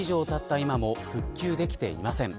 今も復旧できていません。